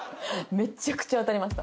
めっちゃくちゃ当たりました。